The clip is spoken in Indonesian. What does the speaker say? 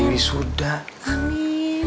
dewi suda amin